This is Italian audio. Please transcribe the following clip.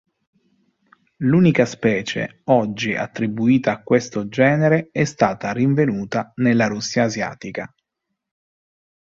L'unica specie oggi attribuita a questo genere è stata rinvenuta nella Russia asiatica.